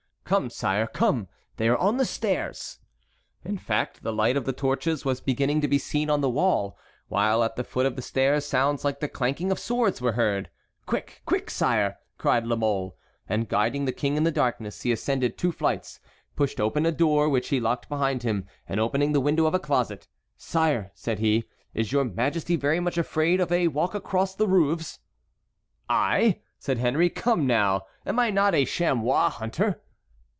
"Come, sire, come. They are on the stairs." In fact, the light of the torches was beginning to be seen on the wall, while at the foot of the stairs sounds like the clanking of swords were heard. "Quick, quick, sire!" cried La Mole. And, guiding the king in the darkness, he ascended two flights, pushed open a door, which he locked behind him, and, opening the window of a closet: "Sire," said he, "is your majesty very much afraid of a walk across the roofs?" "I?" said Henry, "come, now; am I not a chamois hunter?"